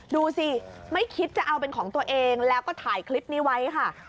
ดูสิไม่คิดจะเอาเป็นของตัวเองแล้วก็ถ่ายคลิปนี้ไว้ค่ะ